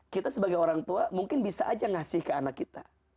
kita sebagai orang tua mungkin bisa aja ngasih ke anak kita